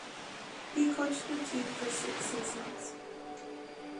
He coached the team for six seasons.